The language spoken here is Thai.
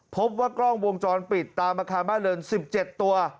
พบว่ากล้องวงจรปิดตามอาคารบ้านเรือน๑๗ตัว